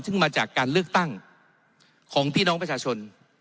ซึ่งมาจากการเลือกตั้งของพี่น้องประชาชน